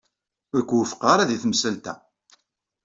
Ur k-wufqeɣ ara di temsalt-a.